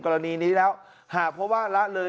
กรณีนี้แล้วหากเพราะว่าละเลย